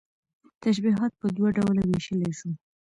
تشبيهات په دوه ډوله ويشلى شو